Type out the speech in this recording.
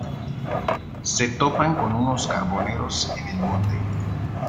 Se topan con unos carboneros en el monte.